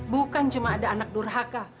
bukan cuma ada anak durhaka